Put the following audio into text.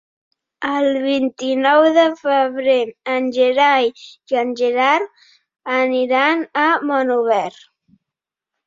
El vint-i-nou de febrer en Gerai i en Gerard aniran a Monòver.